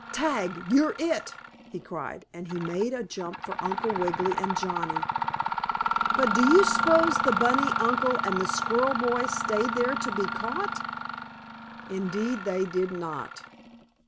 Tag your it!" he cried, and he made a jump for Uncle Wiggily and Johnnie. But do you s'pose the bunny uncle and the squirrel boy stayed there to be caught? Indeed, they did not!